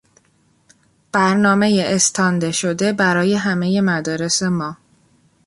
برنامهی استانده شده برای همهی مدارس ما